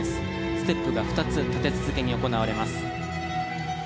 ステップが２つ立て続けに行われます。